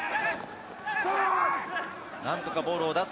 何とかボールを出す。